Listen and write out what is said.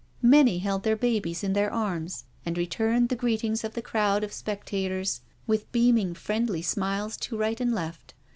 Many held their babies in their arms and returned the 324 NO SURRENDER greetings of the crowd of spectators with beaming friendly smiles to right and left.